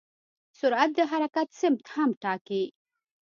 سرعت د حرکت سمت هم ټاکي.